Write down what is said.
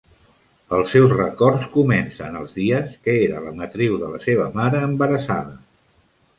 Els seus records comencen als dies que era a l matriu de la seva mare embarassada.